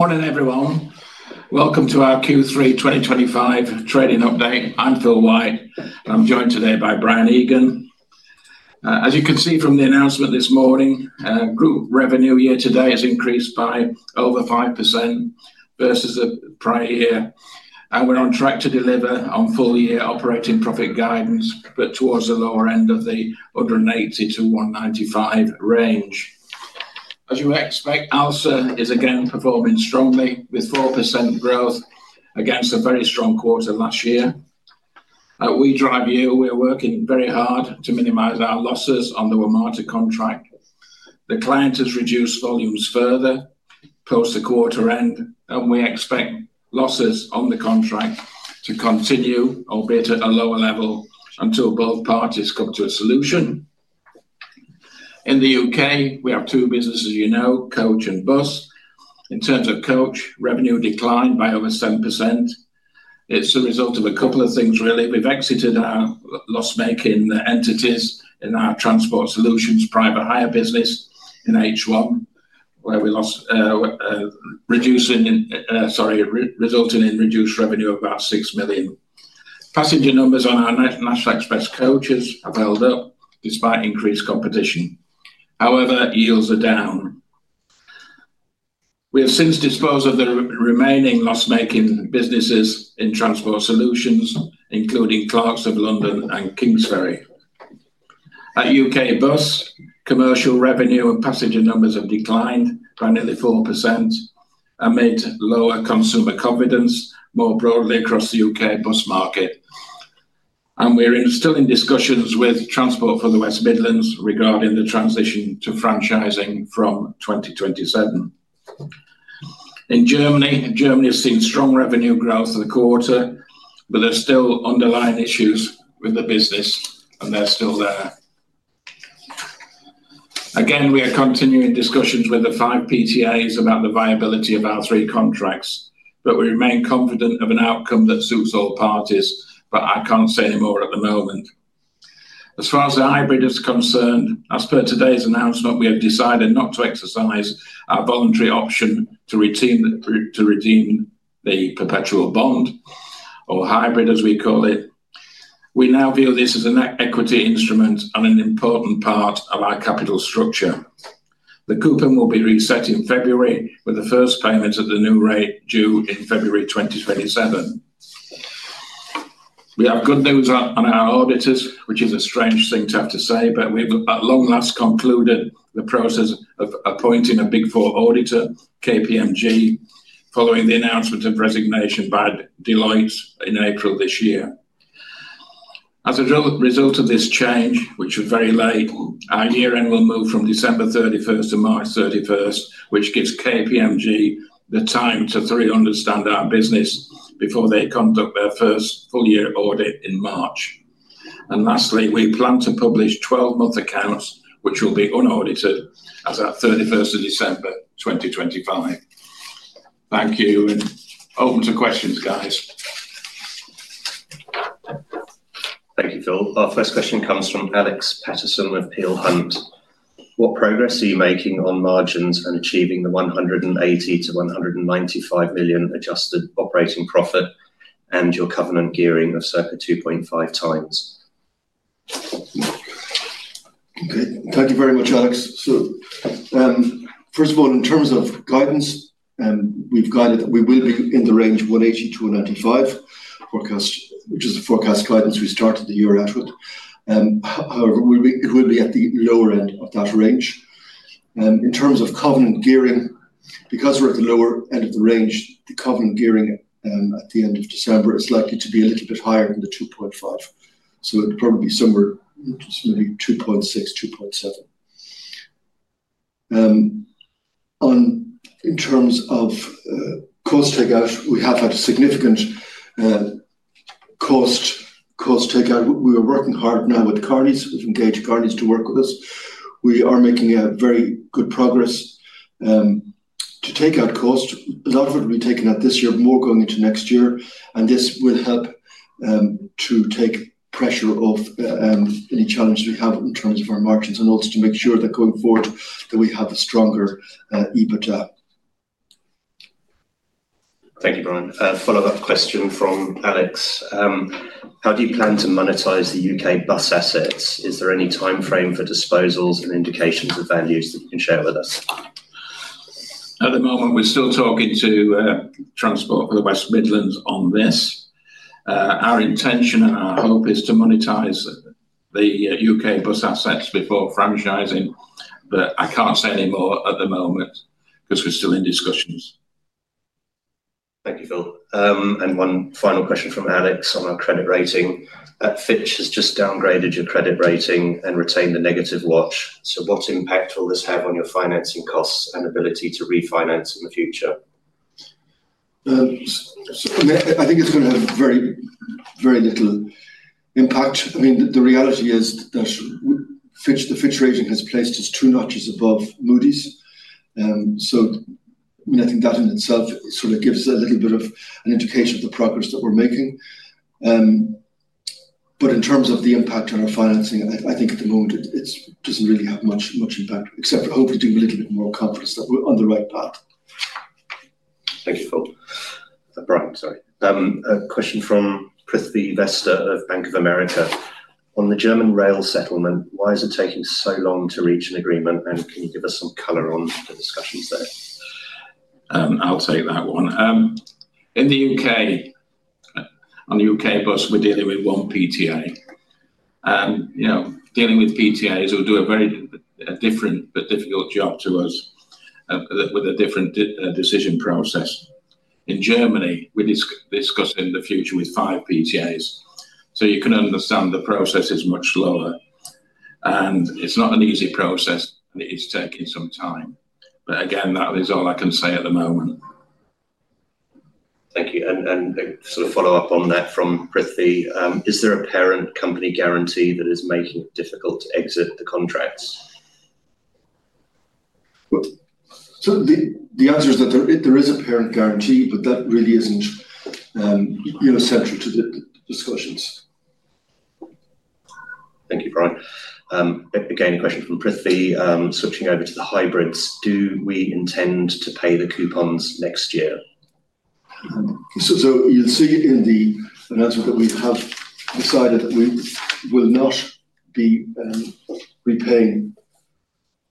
Morning, everyone. Welcome to our Q3 2025 trading update. I'm Phil White, and I'm joined today by Brian Egan. As you can see from the announcement this morning, group revenue year to date has increased by over 5% versus the prior year. We're on track to deliver on full-year operating profit guidance, but towards the lower end of the 180-195 range. As you expect, ALSA is again performing strongly, with 4% growth against a very strong quarter last year. At WeDriveU, we're working very hard to minimize our losses on the WMATA contract. The client has reduced volumes further post the quarter end, and we expect losses on the contract to continue, albeit at a lower level, until both parties come to a solution. In the UK, we have two businesses, as you know, Coach and Bus. In terms of Coach, revenue declined by over 7%. It's the result of a couple of things, really. We've exited our loss-making entities in our transport solutions, private hire business in H1, where we lost, resulting in reduced revenue of about 6 million. Passenger numbers on our National Express coaches have held up despite increased competition. However, yields are down. We have since disposed of the remaining loss-making businesses in transport solutions, including Clarks of London and Kingsbury. At UK Bus, commercial revenue and passenger numbers have declined by nearly 4% and made lower consumer confidence more broadly across the UK bus market. We're still in discussions with Transport for the West Midlands regarding the transition to franchising from 2027. In Germany, Germany has seen strong revenue growth for the quarter, but there are still underlying issues with the business, and they're still there. Again, we are continuing discussions with the five PTAs about the viability of our three contracts, but we remain confident of an outcome that suits all parties. I can't say any more at the moment. As far as the hybrid is concerned, as per today's announcement, we have decided not to exercise our voluntary option to redeem the perpetual bond, or hybrid, as we call it. We now view this as an equity instrument and an important part of our capital structure. The coupon will be reset in February, with the first payment at the new rate due in February 2027. We have good news on our auditors, which is a strange thing to have to say, but we've at long last concluded the process of appointing a Big Four auditor, KPMG, following the announcement of resignation by Deloitte in April this year. As a result of this change, which was very late, our year-end will move from December 31 to March 31, which gives KPMG the time to 300-standard business before they conduct their first full-year audit in March. Lastly, we plan to publish 12-month accounts, which will be unaudited as of 31 December 2025. Thank you, and open to questions, guys. Thank you, Phil. Our first question comes from Alex Paterson of Peel Hunt. What progress are you making on margins and achieving the $180 million-$195 million adjusted operating profit and your covenant gearing of circa 2.5 times? Thank you very much, Alex. First of all, in terms of guidance, we've guided that we will be in the range $180 million-$195 million, which is the forecast guidance we started the year out with. However, it will be at the lower end of that range. In terms of covenant gearing, because we're at the lower end of the range, the covenant gearing at the end of December is likely to be a little bit higher than the 2.5. It will probably be somewhere just maybe 2.6, 2.7. In terms of cost takeout, we have had significant cost takeout. We are working hard now with Garnes. We've engaged Garnes to work with us. We are making very good progress to take out cost. A lot of it will be taken out this year, more going into next year. This will help to take pressure off any challenges we have in terms of our margins and also to make sure that going forward that we have a stronger EBITDA. Thank you, Brian. Follow-up question from Alex. How do you plan to monetize the UK bus assets? Is there any time frame for disposals and indications of values that you can share with us? At the moment, we're still talking to Transport for the West Midlands on this. Our intention and our hope is to monetize the UK bus assets before franchising, but I can't say any more at the moment because we're still in discussions. Thank you, Phil. One final question from Alex on our credit rating. Fitch has just downgraded your credit rating and retained a negative watch. What impact will this have on your financing costs and ability to refinance in the future? I think it's going to have very, very little impact. I mean, the reality is that the Fitch rating has placed us two notches above Moody's. I think that in itself sort of gives us a little bit of an indication of the progress that we're making. In terms of the impact on our financing, I think at the moment it doesn't really have much impact, except hopefully doing a little bit more confidence that we're on the right path. Thank you, Phil. Brian, sorry. A question from Chris C. Vesta of Bank of America. On the German Rail settlement, why is it taking so long to reach an agreement? Can you give us some color on the discussions there? I'll take that one. In the UK, on the UK bus, we're dealing with one PTA. Dealing with PTAs will do a very different but difficult job to us with a different decision process. In Germany, we're discussing the future with five PTAs. You can understand the process is much slower. It is not an easy process, and it is taking some time. Again, that is all I can say at the moment. Thank you. Sort of follow-up on that from Chris C. Is there a parent company guarantee that is making it difficult to exit the contracts? The answer is that there is a parent guarantee, but that really isn't central to the discussions. Thank you, Brian. Again, a question from Chris C. Switching over to the hybrids. Do we intend to pay the coupons next year? You'll see in the announcement that we have decided that we will not be repaying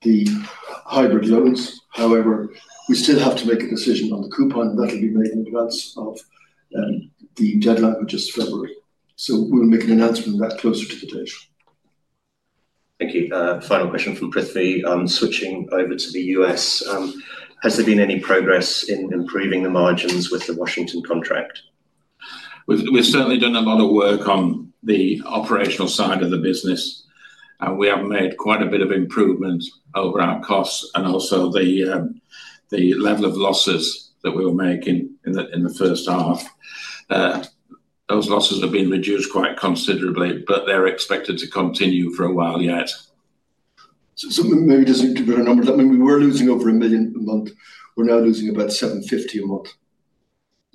the hybrid loans. However, we still have to make a decision on the coupon, and that will be made in advance of the deadline, which is February. We'll make an announcement closer to the date. Thank you. Final question from Chris C. Switching over to the U.S. Has there been any progress in improving the margins with the Washington contract? We've certainly done a lot of work on the operational side of the business. We have made quite a bit of improvement over our costs and also the level of losses that we were making in the first half. Those losses have been reduced quite considerably, but they're expected to continue for a while yet. Maybe just to give a number, we were losing over $1 million a month. We're now losing about $750,000 a month.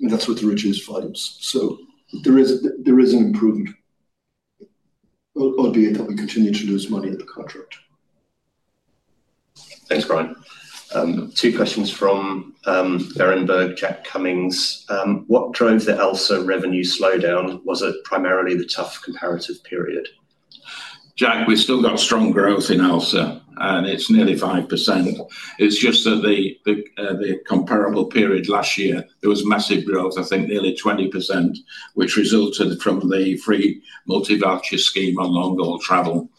That is with the reduced volumes. There is an improvement, albeit that we continue to lose money at the contract. Thanks, Brian. Two questions from Berenberg Jack Cummings. What drove the ALSA revenue slowdown? Was it primarily the tough comparative period? Jack, we've still got strong growth in ALSA, and it's nearly 5%. It's just that the comparable period last year, there was massive growth, I think nearly 20%, which resulted from the free multi-value scheme on long-haul travel.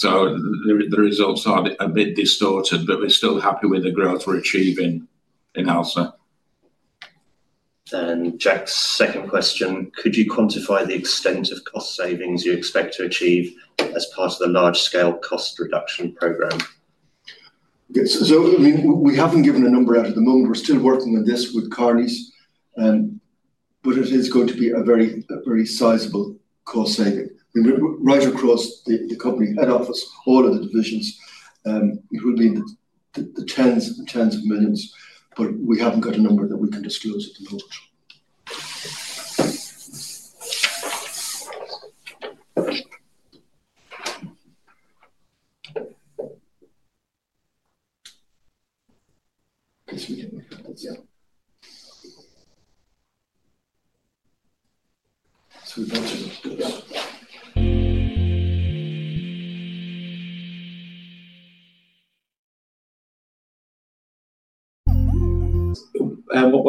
The results are a bit distorted, but we're still happy with the growth we're achieving in ALSA. Jack's second question. Could you quantify the extent of cost savings you expect to achieve as part of the large-scale cost reduction program? We haven't given a number out at the moment. We're still working on this with Garnes, but it is going to be a very sizable cost saving. Right across the company head office, all of the divisions, it will be the tens of millions, but we haven't got a number that we can disclose at the moment.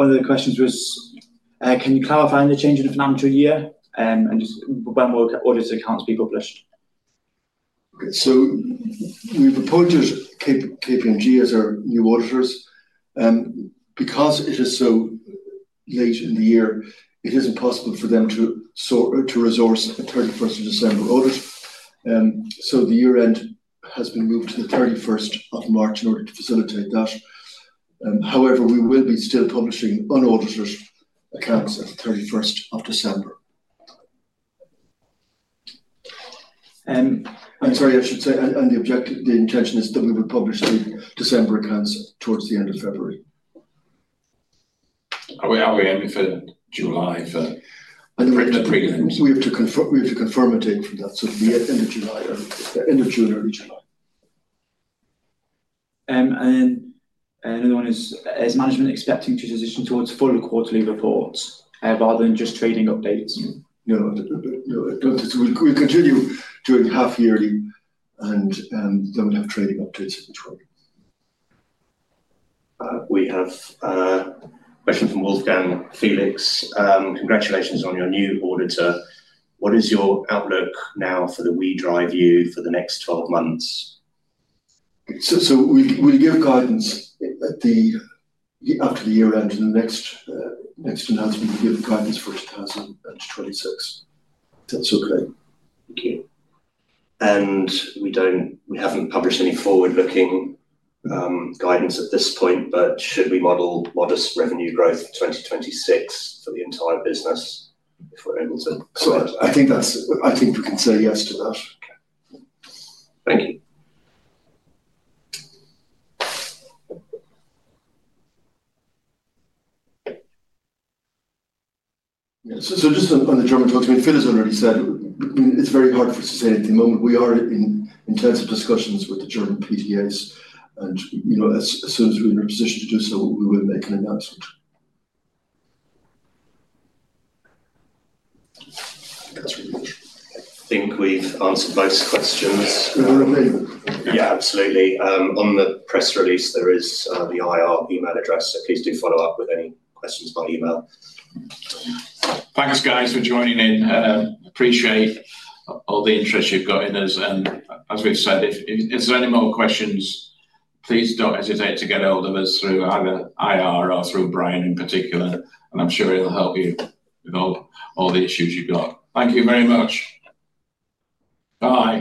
We've got to. One of the questions was, can you clarify any change in the financial year and when will audit accounts be published? We have appointed KPMG as our new auditors. Because it is so late in the year, it is not possible for them to resource a 31st of December audit. The year-end has been moved to the 31st of March in order to facilitate that. However, we will still be publishing unaudited accounts at the 31st of December. I should say, the intention is that we will publish the December accounts towards the end of February. Are we aiming for July for the pre-evidence? We have to confirm a date for that, the end of June, early July. Is management expecting to transition towards full quarterly reports rather than just trading updates? No, we'll continue doing half-yearly and don't have trading updates at this point. We have a question from Wolfgang Felix. Congratulations on your new auditor. What is your outlook now for the WeDriveU for the next 12 months? We'll give guidance after the year-end and the next announcement, we'll give guidance for 2026, if that's okay. Thank you. We haven't published any forward-looking guidance at this point, but should we model modest revenue growth in 2026 for the entire business if we're able to? I think we can say yes to that. Thank you. Just on the German contracts, I mean, Fitch has already said it's very hard for us to say anything at the moment. We are in intensive discussions with the German PTAs, and as soon as we're in a position to do so, we will make an announcement. I think we've answered both questions. We will remain. Yeah, absolutely. On the press release, there is the IR email address, so please do follow up with any questions by email. Thanks, guys, for joining in. Appreciate all the interest you've got in us. As we've said, if there's any more questions, please don't hesitate to get hold of us through either IR or through Brian in particular, and I'm sure he'll help you with all the issues you've got. Thank you very much. Bye.